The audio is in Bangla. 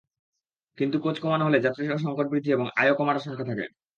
কিন্তু কোচ কমানো হলে যাত্রীর সংকট বৃদ্ধি এবং আয়ও কমার আশঙ্কা থাকে।